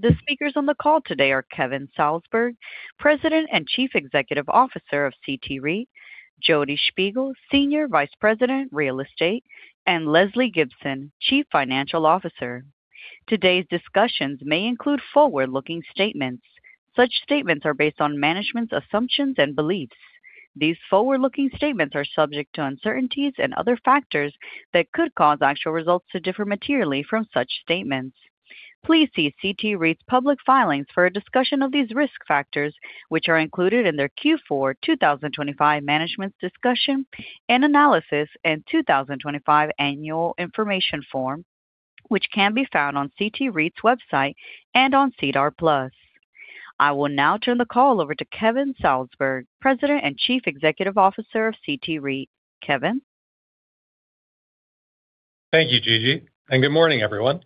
The speakers on the call today are Kevin Salsberg, President and Chief Executive Officer of CT REIT Jodi Shpigel, Senior Vice-President, Real Estate and Lesley Gibson, Chief Financial Officer. Today's discussions may include forward-looking statements. Such statements are based on management's assumptions and beliefs. These forward-looking statements are subject to uncertainties and other factors that could cause actual results to differ materially from such statements. Please see CT REIT's public filings for a discussion of these risk factors, which are included in their Q4 2025 Management's Discussion and Analysis and 2025 Annual Information Form, which can be found on CT REIT's website and on SEDAR+. I will now turn the call over to Kevin Salsberg, President and Chief Executive Officer of CT REIT. Kevin? Thank you, Gigi, and good morning, everyone.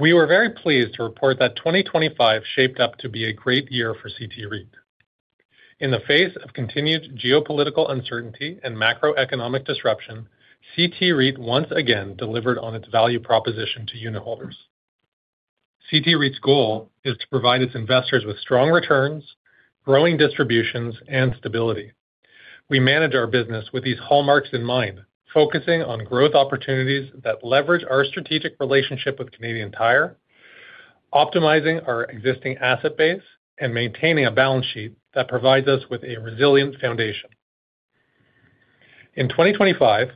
We were very pleased to report that 2025 shaped up to be a great year for CT REIT. In the face of continued geopolitical uncertainty and macroeconomic disruption, CT REIT once again delivered on its value proposition to unitholders. CT REIT's goal is to provide its investors with strong returns, growing distributions, and stability. We manage our business with these hallmarks in mind, focusing on growth opportunities that leverage our strategic relationship with Canadian Tire, optimizing our existing asset base, and maintaining a balance sheet that provides us with a resilient foundation. In 2025,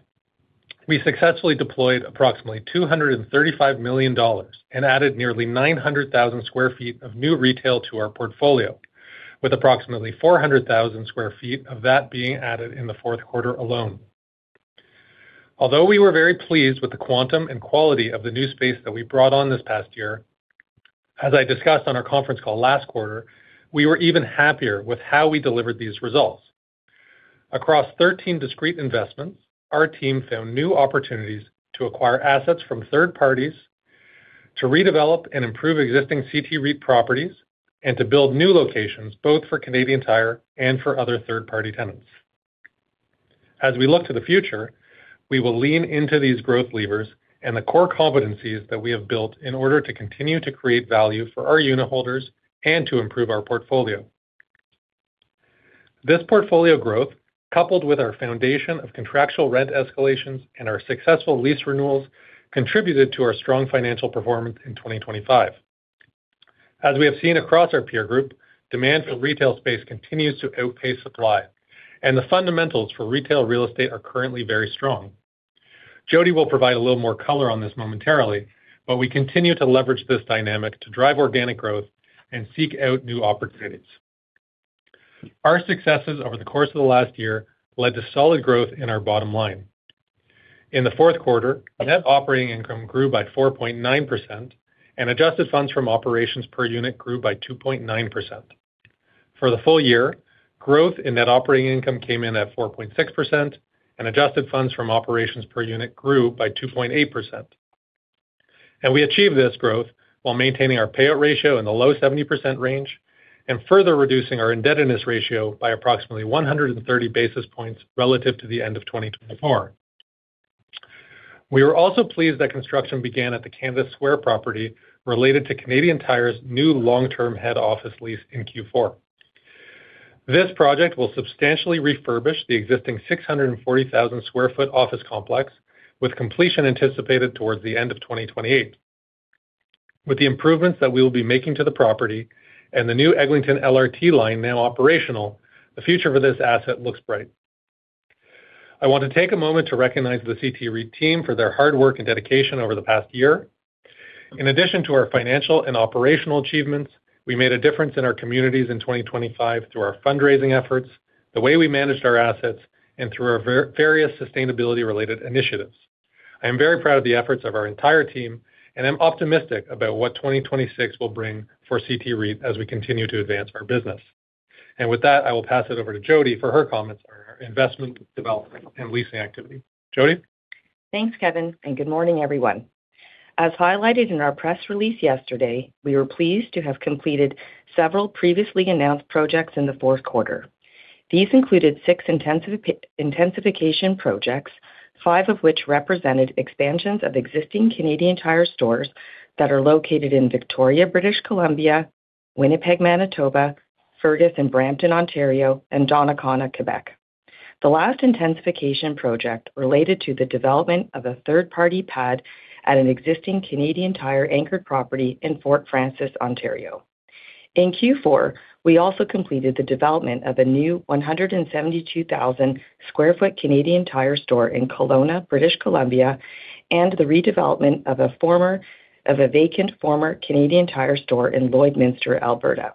we successfully deployed approximately 235 million dollars and added nearly 900,000 sq ft of new retail to our portfolio, with approximately 400,000 sq ft of that being added in the fourth quarter alone. Although we were very pleased with the quantum and quality of the new space that we brought on this past year, as I discussed on our conference call last quarter, we were even happier with how we delivered these results. Across 13 discrete investments, our team found new opportunities to acquire assets from third parties, to redevelop and improve existing CT REIT properties, and to build new locations, both for Canadian Tire and for other third-party tenants. As we look to the future, we will lean into these growth levers and the core competencies that we have built in order to continue to create value for our unitholders and to improve our portfolio. This portfolio growth, coupled with our foundation of contractual rent escalations and our successful lease renewals, contributed to our strong financial performance in 2025. As we have seen across our peer group, demand for retail space continues to outpace supply, and the fundamentals for retail real estate are currently very strong. Jodi will provide a little more color on this momentarily, but we continue to leverage this dynamic to drive organic growth and seek out new opportunities. Our successes over the course of the last year led to solid growth in our bottom line. In the fourth quarter, Net Operating Income grew by 4.9%, and Adjusted Funds from Operations per unit grew by 2.9%. For the full year, growth in Net Operating Income came in at 4.6%, and Adjusted Funds from Operations per unit grew by 2.8%. We achieved this growth while maintaining our payout ratio in the low 70% range and further reducing our indebtedness ratio by approximately 130 basis points relative to the end of 2024. We were also pleased that construction began at the Canada Square property related to Canadian Tire's new long-term head office lease in Q4. This project will substantially refurbish the existing 640,000 sq ft office complex, with completion anticipated towards the end of 2028. With the improvements that we will be making to the property and the new Eglinton LRT line now operational, the future for this asset looks bright. I want to take a moment to recognize the CT REIT team for their hard work and dedication over the past year. In addition to our financial and operational achievements, we made a difference in our communities in 2025 through our fundraising efforts, the way we managed our assets, and through our various sustainability-related initiatives. I am very proud of the efforts of our entire team, and I'm optimistic about what 2026 will bring for CT REIT as we continue to advance our business. And with that, I will pass it over to Jodi for her comments on our investment, development, and leasing activity. Jodi? Thanks, Kevin, and good morning, everyone. As highlighted in our press release yesterday, we were pleased to have completed several previously announced projects in the fourth quarter. These included six intensification projects, five of which represented expansions of existing Canadian Tire stores that are located in Victoria, British Columbia, Winnipeg, Manitoba, Fergus and Brampton, Ontario, and Donnacona, Quebec. The last intensification project related to the development of a third-party pad at an existing Canadian Tire anchored property in Fort Frances, Ontario. In Q4, we also completed the development of a new 172,000 sq ft Canadian Tire store in Kelowna, British Columbia, and the redevelopment of a former of a vacant former Canadian Tire store in Lloydminster, Alberta.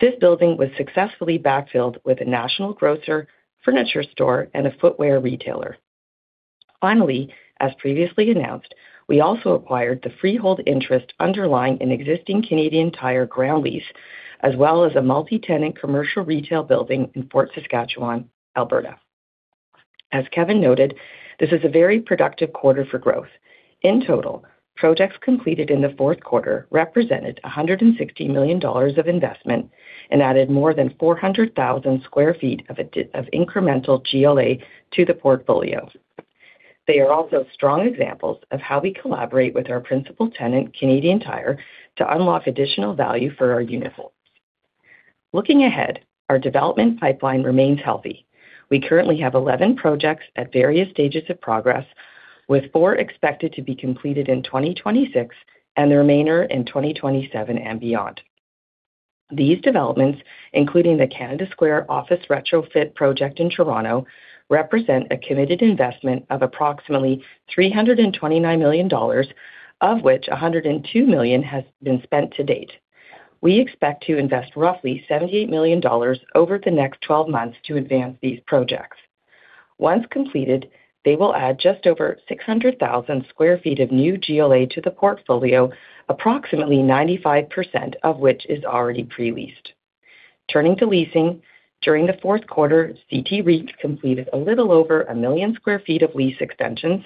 This building was successfully backfilled with a national grocer, furniture store, and a footwear retailer. Finally, as previously announced, we also acquired the freehold interest underlying an existing Canadian Tire ground lease, as well as a multi-tenant commercial retail building in Fort Saskatchewan, Alberta. As Kevin noted, this is a very productive quarter for growth. In total, projects completed in the fourth quarter represented 160 million dollars of investment and added more than 400,000 sq ft of incremental GLA to the portfolio. They are also strong examples of how we collaborate with our principal tenant, Canadian Tire, to unlock additional value for our unitholders. Looking ahead, our development pipeline remains healthy. We currently have 11 projects at various stages of progress, with 4 expected to be completed in 2026 and the remainder in 2027 and beyond. These developments, including the Canada Square office retrofit project in Toronto, represent a committed investment of approximately 329 million dollars, of which 102 million has been spent to date. We expect to invest roughly 78 million dollars over the next twelve months to advance these projects. Once completed, they will add just over 600,000 sq ft of new GLA to the portfolio, approximately 95% of which is already pre-leased. Turning to leasing, during the fourth quarter, CT REIT completed a little over 1 million sq ft of lease extensions,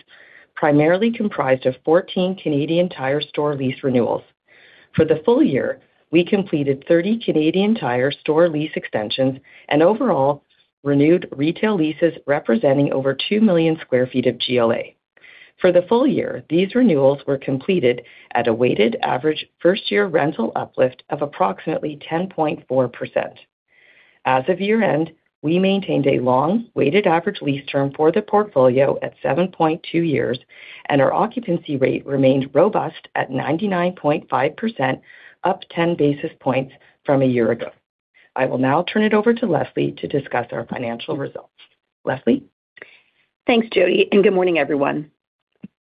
primarily comprised of 14 Canadian Tire store lease renewals. For the full year, we completed 30 Canadian Tire store lease extensions and overall renewed retail leases representing over 2 million sq ft of GLA. For the full year, these renewals were completed at a weighted average first-year rental uplift of approximately 10.4%. As of year-end, we maintained a long, weighted average lease term for the portfolio at 7.2 years, and our occupancy rate remained robust at 99.5%, up 10 basis points from a year ago. I will now turn it over to Lesley to discuss our financial results. Lesley? Thanks, Jodi, and good morning, everyone.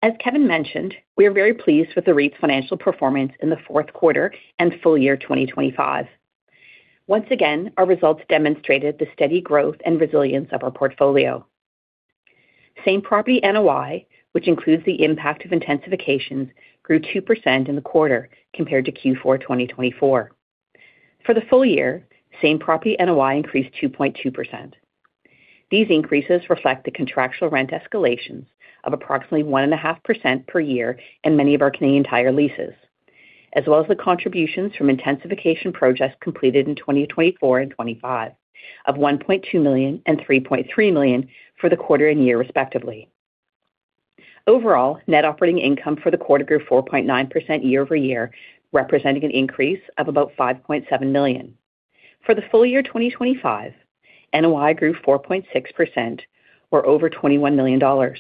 As Kevin mentioned, we are very pleased with the REIT's financial performance in the fourth quarter and full year, 2025. Once again, our results demonstrated the steady growth and resilience of our portfolio. Same-Property NOI, which includes the impact of intensifications, grew 2% in the quarter compared to Q4 2024. For the full year, Same-Property NOI increased 2.2%. These increases reflect the contractual rent escalations of approximately 1.5% per year in many of our Canadian Tire leases, as well as the contributions from intensification projects completed in 2024 and 2025 of 1.2 million and 3.3 million for the quarter and year, respectively. Overall, Net Operating Income for the quarter grew 4.9% year-over-year, representing an increase of about 5.7 million. For the full year, 2025, NOI grew 4.6% or over 21 million dollars.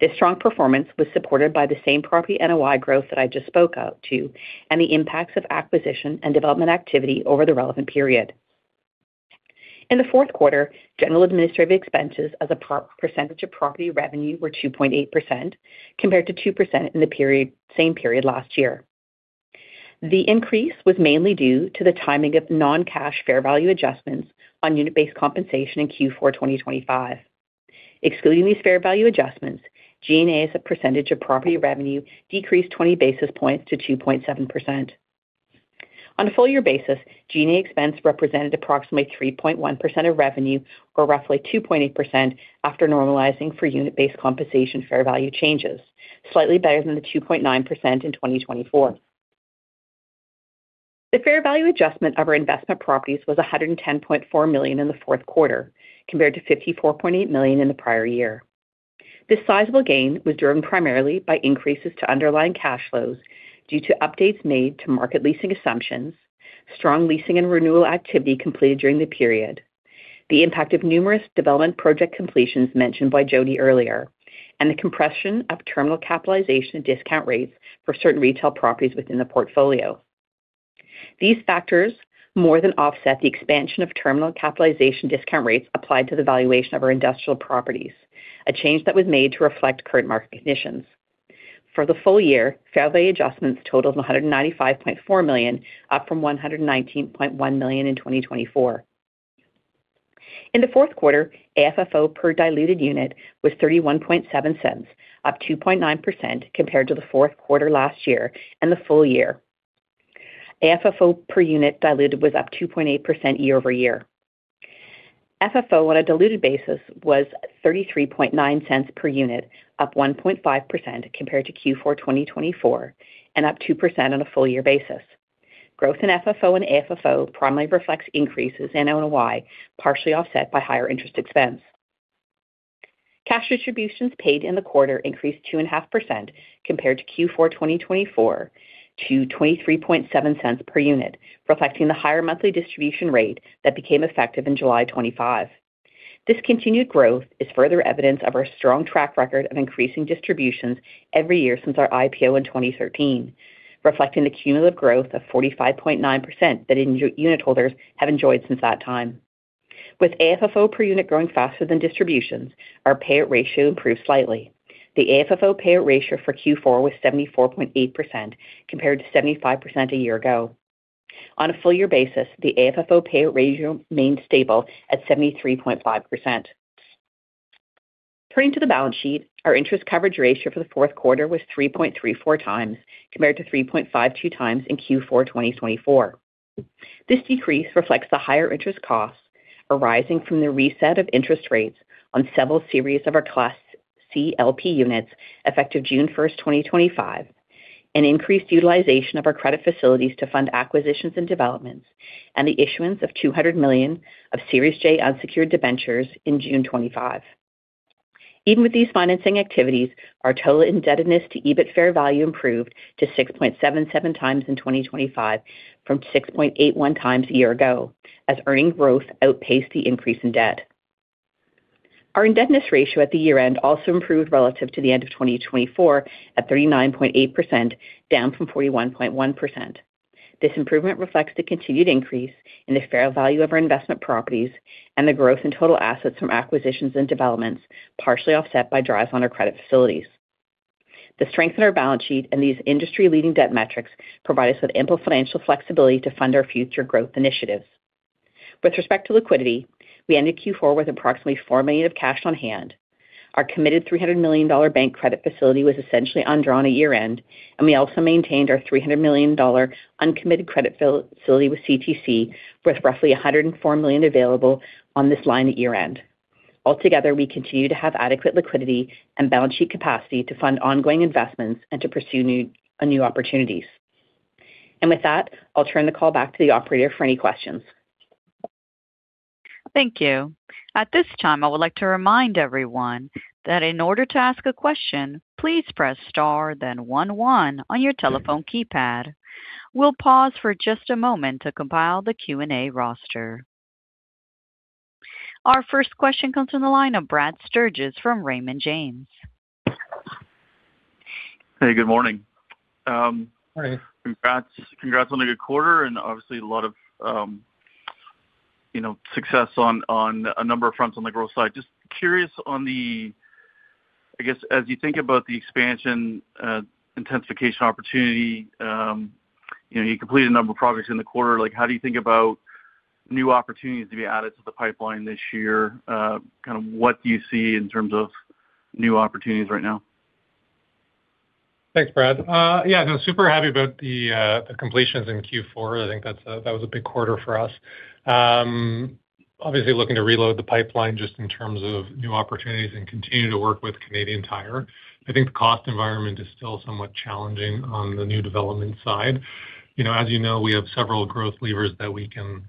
This strong performance was supported by the same property NOI growth that I just spoke out to, and the impacts of acquisition and development activity over the relevant period. In the fourth quarter, general administrative expenses as a percentage of property revenue were 2.8%, compared to 2% in the period, same period last year. The increase was mainly due to the timing of non-cash fair value adjustments on unit-based compensation in Q4 2025. Excluding these fair value adjustments, G&A as a percentage of property revenue decreased 20 basis points to 2.7%. On a full year basis, G&A expense represented approximately 3.1% of revenue, or roughly 2.8% after normalizing for unit-based compensation fair value changes, slightly better than the 2.9% in 2024. The fair value adjustment of our investment properties was 110.4 million in the fourth quarter, compared to 54.8 million in the prior year. This sizable gain was driven primarily by increases to underlying cash flows due to updates made to market leasing assumptions, strong leasing and renewal activity completed during the period, the impact of numerous development project completions mentioned by Jodi earlier, and the compression of terminal capitalization and discount rates for certain retail properties within the portfolio. These factors more than offset the expansion of terminal capitalization discount rates applied to the valuation of our industrial properties, a change that was made to reflect current market conditions. For the full year, fair value adjustments totaled 195.4 million, up from 119.1 million in 2024. In the fourth quarter, AFFO per diluted unit was 0.317, up 2.9% compared to the fourth quarter last year and the full year. AFFO per unit diluted was up 2.8% year-over-year. FFO on a diluted basis was 0.339 per unit, up 1.5% compared to Q4 2024, and up 2% on a full year basis. Growth in FFO and AFFO primarily reflects increases in NOI, partially offset by higher interest expense. Cash distributions paid in the quarter increased 2.5% compared to Q4 2024 to 0.237 per unit, reflecting the higher monthly distribution rate that became effective in July 2025. This continued growth is further evidence of our strong track record of increasing distributions every year since our IPO in 2013, reflecting the cumulative growth of 45.9% that unitholders have enjoyed since that time. With AFFO per unit growing faster than distributions, our payout ratio improved slightly. The AFFO payout ratio for Q4 was 74.8%, compared to 75% a year ago. On a full year basis, the AFFO payout ratio remained stable at 73.5%. Turning to the balance sheet, our interest coverage ratio for the fourth quarter was 3.34 times, compared to 3.52 times in Q4 2024. This decrease reflects the higher interest costs arising from the reset of interest rates on several series of our Class C LP Units effective June 1, 2025, and increased utilization of our credit facilities to fund acquisitions and developments, and the issuance of 200 million of Series J Unsecured Debentures in June 2025. Even with these financing activities, our total indebtedness to EBITDA fair value improved to 6.77 times in 2025 from 6.81 times a year ago, as earnings growth outpaced the increase in debt. Our Indebtedness Ratio at the year end also improved relative to the end of 2024, at 39.8%, down from 41.1%. This improvement reflects the continued increase in the fair value of our investment properties and the growth in total assets from acquisitions and developments, partially offset by draws on our credit facilities. The strength in our balance sheet and these industry-leading debt metrics provide us with ample financial flexibility to fund our future growth initiatives. With respect to liquidity, we ended Q4 with approximately 4 million of cash on hand. Our committed 300 million dollar bank credit facility was essentially undrawn at year-end, and we also maintained our 300 million dollar uncommitted credit facility with CTC, with roughly 104 million available on this line at year-end. Altogether, we continue to have adequate liquidity and balance sheet capacity to fund ongoing investments and to pursue new, new opportunities. With that, I'll turn the call back to the operator for any questions. Thank you. At this time, I would like to remind everyone that in order to ask a question, please press star, then one, one on your telephone keypad. We'll pause for just a moment to compile the Q&A roster. Our first question comes from the line of Brad Sturges from Raymond James. Hey, good morning. Hi. Congrats, congrats on a good quarter and obviously a lot of, you know, success on, on a number of fronts on the growth side. Just curious on the—I guess, as you think about the expansion, intensification opportunity, you know, you completed a number of projects in the quarter. Like, how do you think about new opportunities to be added to the pipeline this year? Kind of, what do you see in terms of new opportunities right now? Thanks, Brad. Yeah, so super happy about the completions in Q4. I think that's that was a big quarter for us. Obviously, looking to reload the pipeline just in terms of new opportunities and continue to work with Canadian Tire. I think the cost environment is still somewhat challenging on the new development side. You know, as you know, we have several growth levers that we can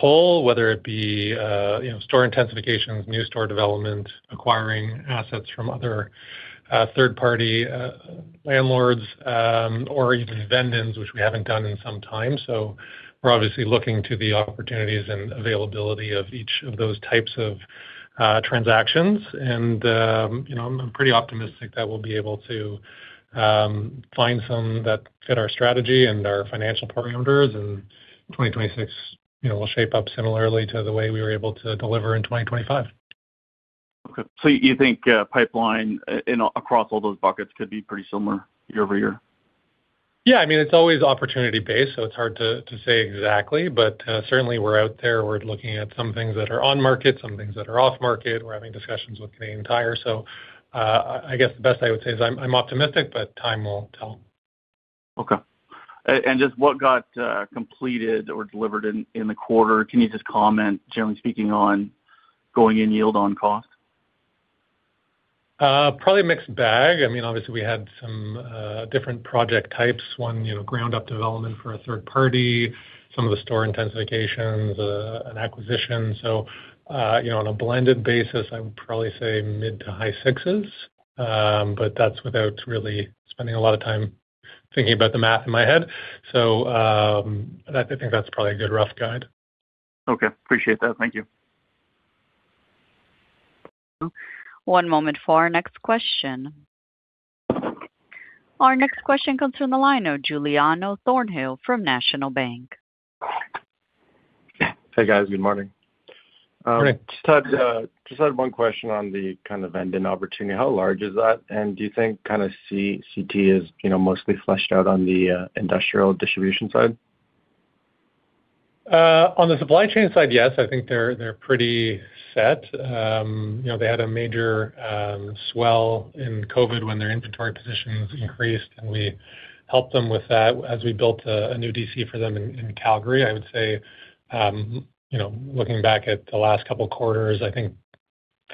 pull, whether it be you know, store intensifications, new store development, acquiring assets from other third-party landlords, or even vend-ins, which we haven't done in some time. So we're obviously looking to the opportunities and availability of each of those types of transactions. You know, I'm pretty optimistic that we'll be able to find some that fit our strategy and our financial parameters, and 2026, you know, will shape up similarly to the way we were able to deliver in 2025. Okay. So you think, pipeline, in across all those buckets could be pretty similar year over year? Yeah. I mean, it's always opportunity based, so it's hard to say exactly, but certainly we're out there. We're looking at some things that are on market, some things that are off market. We're having discussions with Canadian Tire. So, I guess the best I would say is I'm optimistic, but time will tell. Okay. And just what got completed or delivered in the quarter? Can you just comment, generally speaking, on going in yield on cost? Probably a mixed bag. I mean, obviously, we had some different project types. One, you know, ground up development for a third party, some of the store intensifications, and acquisitions. So, you know, on a blended basis, I would probably say mid to high sixes. But that's without really spending a lot of time thinking about the math in my head. So, I think that's probably a good rough guide. Okay, appreciate that. Thank you. One moment for our next question. Our next question comes from the line of Giuliano Thornhill from National Bank. Hey, guys. Good morning. Good. Just had one question on the kind of vend-in opportunity. How large is that? And do you think kind of CT is, you know, mostly fleshed out on the industrial distribution side? On the supply chain side, yes, I think they're pretty set. You know, they had a major swell in COVID when their inventory positions increased, and we helped them with that as we built a new DC for them in Calgary. I would say, you know, looking back at the last couple of quarters, I think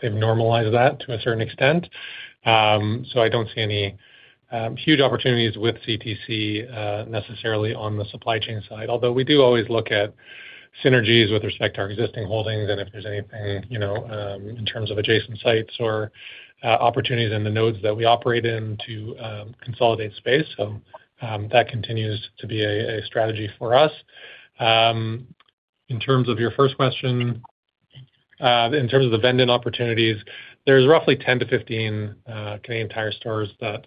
they've normalized that to a certain extent. So I don't see any huge opportunities with CTC necessarily on the supply chain side. Although we do always look at synergies with respect to our existing holdings and if there's anything, you know, in terms of adjacent sites or opportunities in the nodes that we operate in to consolidate space. So that continues to be a strategy for us. In terms of your first question, in terms of the vend-in opportunities, there's roughly 10-15 Canadian Tire stores that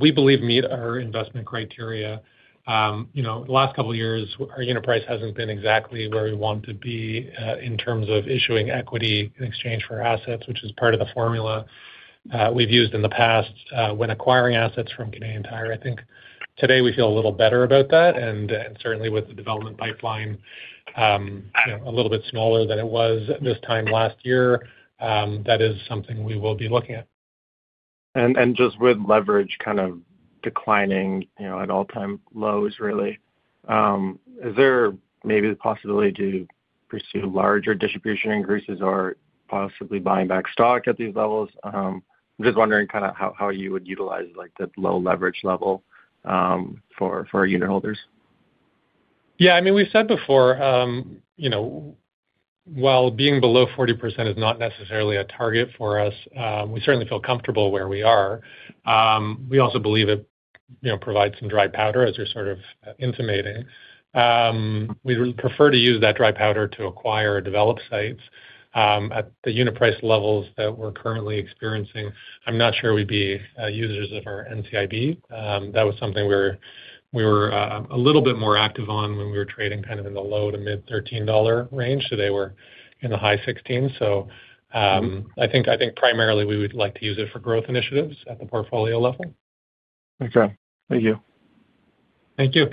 we believe meet our investment criteria. You know, the last couple of years, our unit price hasn't been exactly where we want to be, in terms of issuing equity in exchange for assets, which is part of the formula we've used in the past, when acquiring assets from Canadian Tire. I think today we feel a little better about that, and and certainly with the development pipeline, you know, a little bit smaller than it was at this time last year, that is something we will be looking at. Just with leverage kind of declining, you know, at all-time lows, really? Is there maybe the possibility to pursue larger distribution increases or possibly buying back stock at these levels? I'm just wondering kind of how you would utilize, like, the low leverage level, for unitholders. Yeah, I mean, we've said before, you know, while being below 40% is not necessarily a target for us, we certainly feel comfortable where we are. We also believe it, you know, provides some dry powder, as you're sort of intimating. We would prefer to use that dry powder to acquire and develop sites, at the unit price levels that we're currently experiencing. I'm not sure we'd be users of our NCIB. That was something we were a little bit more active on when we were trading kind of in the low-to-mid 13-dollar range. Today we're in the high 16s. So, I think primarily we would like to use it for growth initiatives at the portfolio level. Okay. Thank you. Thank you.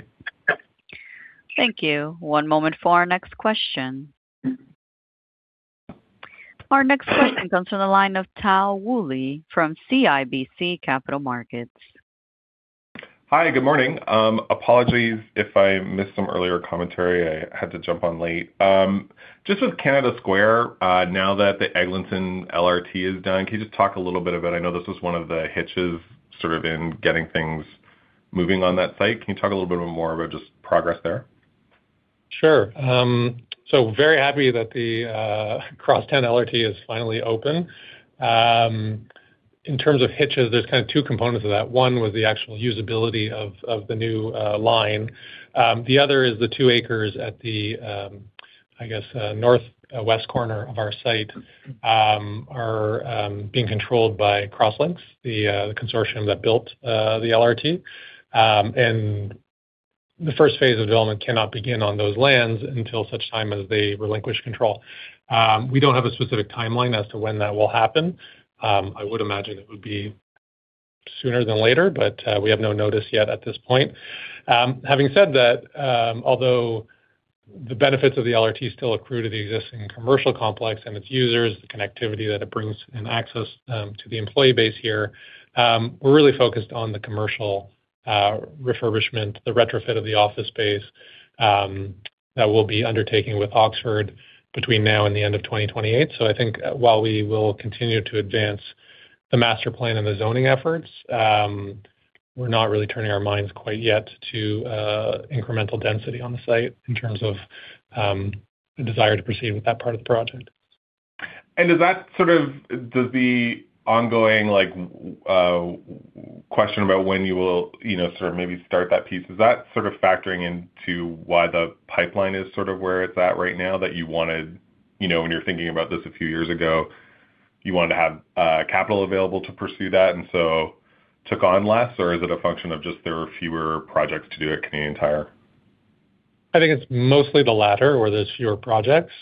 Thank you. One moment for our next question. Our next question comes from the line of Tal Woolley from CIBC Capital Markets. Hi, good morning. Apologies if I missed some earlier commentary. I had to jump on late. Just with Canada Square, now that the Eglinton LRT is done, can you just talk a little bit about it? I know this was one of the hitches sort of in getting things moving on that site. Can you talk a little bit more about just progress there? Sure. So very happy that the Crosstown LRT is finally open. In terms of hitches, there's kind of two components of that. One was the actual usability of the new line. The other is the two acres at the, I guess, northwest corner of our site are being controlled by Crosslinx, the consortium that built the LRT. And the first phase of development cannot begin on those lands until such time as they relinquish control. We don't have a specific timeline as to when that will happen. I would imagine it would be sooner than later, but we have no notice yet at this point. Having said that, although the benefits of the LRT still accrue to the existing commercial complex and its users, the connectivity that it brings, and access, to the employee base here, we're really focused on the commercial, refurbishment, the retrofit of the office space, that we'll be undertaking with Oxford between now and the end of 2028. So I think while we will continue to advance the master plan and the zoning efforts, we're not really turning our minds quite yet to, incremental density on the site in terms of, the desire to proceed with that part of the project. Does that sort of—the ongoing, like, question about when you will, you know, sort of maybe start that piece—is that sort of factoring into why the pipeline is sort of where it's at right now, that you wanted, you know, when you're thinking about this a few years ago, you wanted to have capital available to pursue that and so took on less? Or is it a function of just there are fewer projects to do at Canadian Tire? I think it's mostly the latter, where there's fewer projects.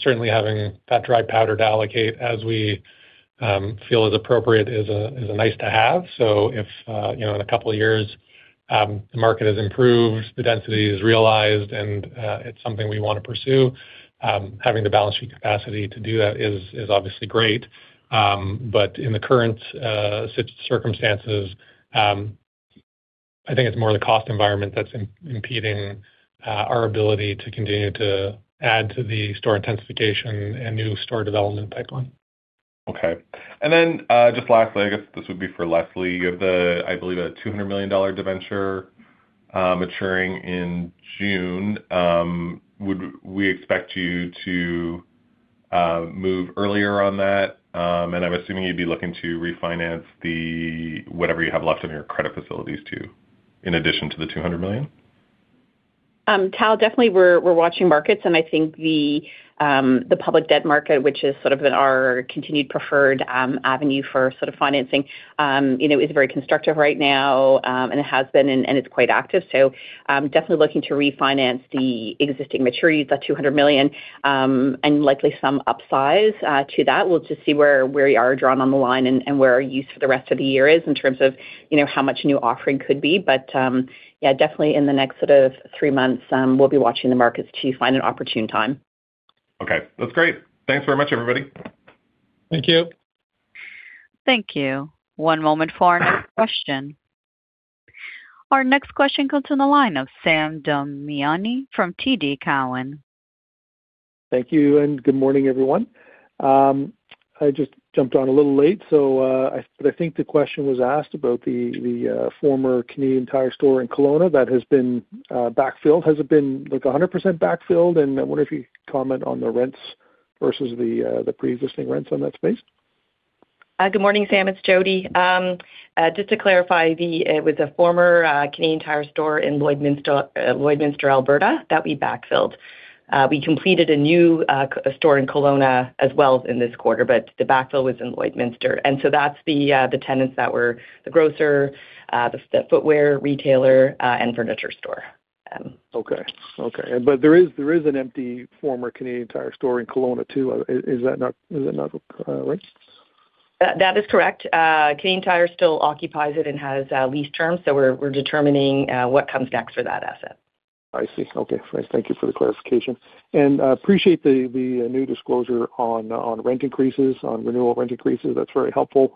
Certainly having that dry powder to allocate as we feel is appropriate is a nice to have. So if you know, in a couple of years, the market has improved, the density is realized, and it's something we want to pursue, having the balance sheet capacity to do that is obviously great. But in the current circumstances, I think it's more the cost environment that's impeding our ability to continue to add to the store intensification and new store development pipeline. Okay. And then, just lastly, I guess this would be for Lesley. You have the, I believe, a 200 million dollar debenture, maturing in June. Would we expect you to move earlier on that? And I'm assuming you'd be looking to refinance whatever you have left in your credit facilities, too, in addition to the 200 million. Tal, definitely we're, we're watching markets, and I think the, the public debt market, which is sort of our continued preferred, avenue for sort of financing, you know, is very constructive right now, and it has been, and it's quite active. So, definitely looking to refinance the existing maturities, that 200 million, and likely some upsize, to that. We'll just see where we are drawn on the line and, where our use for the rest of the year is in terms of, you know, how much new offering could be. But, yeah, definitely in the next sort of three months, we'll be watching the markets to find an opportune time. Okay. That's great! Thanks very much, everybody. Thank you. Thank you. One moment for our next question. Our next question comes from the line of Sam Damiani from TD Cowen. Thank you, and good morning, everyone. I just jumped on a little late, so, but I think the question was asked about the former Canadian Tire store in Kelowna that has been backfilled. Has it been, like, 100% backfilled? And I wonder if you could comment on the rents versus the pre-existing rents on that space. Good morning, Sam. It's Jodi. Just to clarify, it was a former Canadian Tire store in Lloydminster, Alberta, that we backfilled. We completed a new store in Kelowna as well in this quarter, but the backfill was in Lloydminster, and so that's the tenants that were the grocer, the footwear retailer, and furniture store. Okay. Okay, but there is, there is an empty former Canadian Tire store in Kelowna, too. Is that not, is that not right? That is correct. Canadian Tire still occupies it and has lease terms, so we're determining what comes next for that asset. I see. Okay, great. Thank you for the clarification. And, appreciate the new disclosure on rent increases, on renewal rent increases. That's very helpful,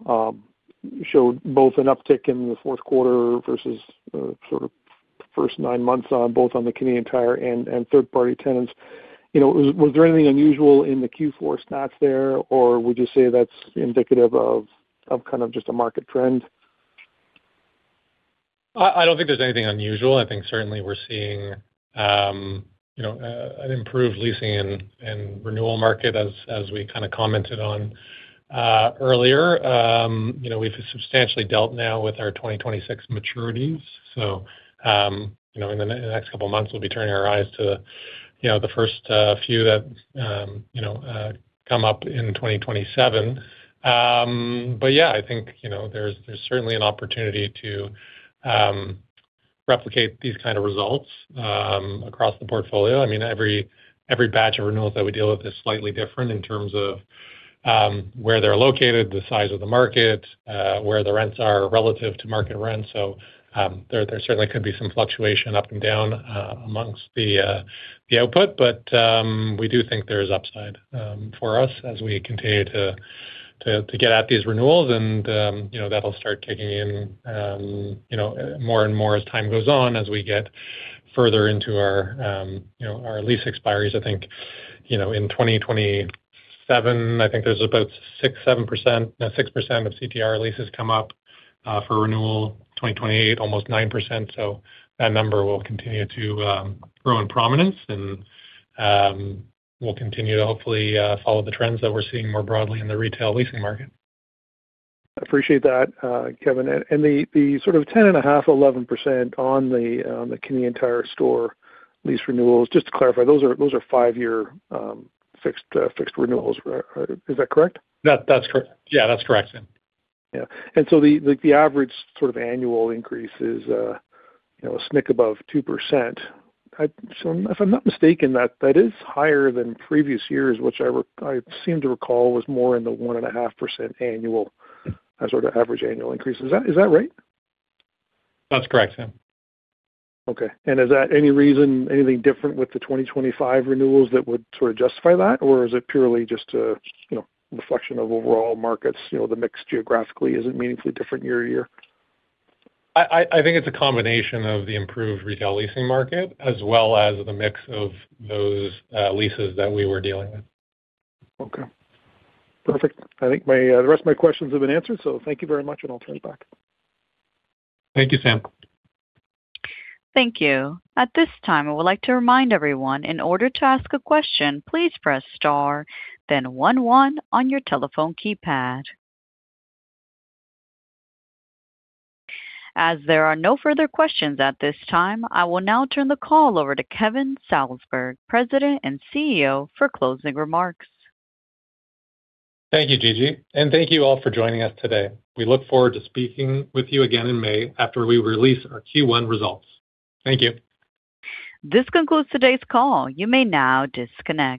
showed both an uptick in the fourth quarter versus sort of first nine months on both the Canadian Tire and third-party tenants. You know, was there anything unusual in the Q4 stats there, or would you say that's indicative of kind of just a market trend? I don't think there's anything unusual. I think certainly we're seeing, you know, an improved leasing and renewal market as we kind of commented on earlier. You know, we've substantially dealt now with our 2026 maturities. So, you know, in the next couple of months, we'll be turning our eyes to, you know, the first few that, you know, come up in 2027. But yeah, I think, you know, there's certainly an opportunity to replicate these kind of results across the portfolio. I mean, every batch of renewals that we deal with is slightly different in terms of where they're located, the size of the market, where the rents are relative to market rent. So, there certainly could be some fluctuation up and down amongst the, the output. But, we do think there is upside for us as we continue to get at these renewals and, you know, that'll start kicking in, you know, more and more as time goes on, as we get further into our, you know, our lease expiries. I think, you know, in 2027, I think there's about 6%-7%, 6% of CTR leases come up for renewal. 2028, almost 9%, so that number will continue to grow in prominence, and, we'll continue to hopefully follow the trends that we're seeing more broadly in the retail leasing market. Appreciate that, Kevin. And the sort of 10.5%-11% on the Canadian Tire store lease renewals, just to clarify, those are five-year fixed renewals, is that correct? That's correct. Yeah, that's correct, Sam. Yeah. So the average sort of annual increase is, you know, a tick above 2%. So if I'm not mistaken, that is higher than previous years, which I seem to recall was more in the 1.5% annual sort of average annual increase. Is that right? That's correct, Sam. Okay. Is that any reason, anything different with the 2025 renewals that would sort of justify that? Or is it purely just a, you know, reflection of overall markets, you know, the mix geographically isn't meaningfully different year to year? I think it's a combination of the improved retail leasing market as well as the mix of those leases that we were dealing with. Okay, perfect. I think my, the rest of my questions have been answered, so thank you very much, and I'll turn it back. Thank you, Sam. Thank you. At this time, I would like to remind everyone in order to ask a question, please press star, then one, one on your telephone keypad. As there are no further questions at this time, I will now turn the call over to Kevin Salsberg, President and CEO, for closing remarks. Thank you, Gigi, and thank you all for joining us today. We look forward to speaking with you again in May after we release our Q1 results. Thank you. This concludes today's call. You may now disconnect.